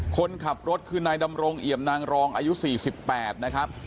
คนขับรถคือนายดำรงเอี่ยมนางรองอายุ๔๘นะครับ